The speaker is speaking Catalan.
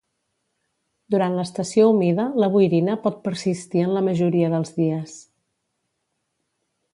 Durant l'estació humida la boirina pot persistir en la majoria dels dies.